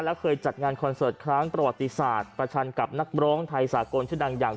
แล้วเคยจัดงานคอนเสิร์ตครั้งประวัติศาสตร์ประชันกับนักร้องไทยสากลชื่อดังอย่าง